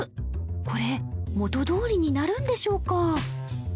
これ元どおりになるんでしょうか？